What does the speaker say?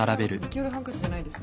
黄色いハンカチじゃないです。